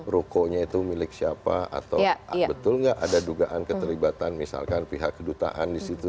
rukonya itu milik siapa atau betul nggak ada dugaan keterlibatan misalkan pihak kedutaan di situ